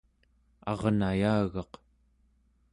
arnayagaq